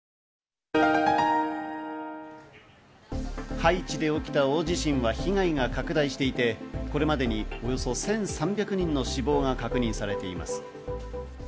ハイチで起きた大地震は被害が拡大していてこれまでにおよそ１３００人の死亡が確認されています。